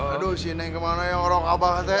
aduh si neng kemana ya orang kabar teh